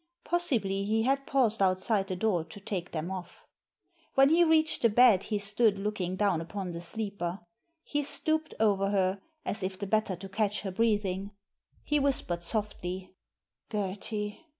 Possibly he had paused outside the door to take them off. When he reached the bed he stood looking down upon the sleeper. He stooped over her, as if the better to catch her breathing. He whispered softly— "Gerty!"